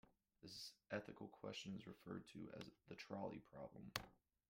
This ethical question is referred to as the trolley problem.